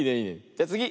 じゃつぎ。